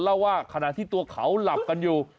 เล่าว่าขณะที่ตัวเขาหลับกันอยู่